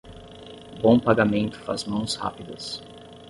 Bom pagamento faz mãos rápidas.